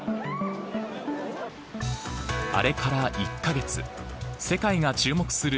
あれから１カ月世界が注目する